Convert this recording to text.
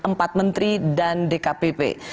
empat menteri dan dkpp